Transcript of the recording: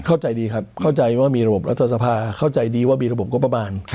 เข้าใจดีครับเข้าใจว่ามีระบบรัฐสภาเข้าใจดีว่ามีระบบงบประมาณ